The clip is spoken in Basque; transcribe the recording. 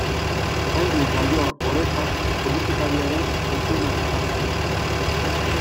Jaime Mayor Oreja politikariaren aitona izan zen.